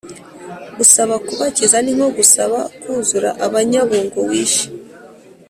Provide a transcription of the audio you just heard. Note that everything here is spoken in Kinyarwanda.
gusaba kubakiza ninkogusaba kuzura abanyabungo wishe